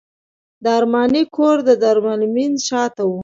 د ارماني کور د دارالمعلمین شاته و.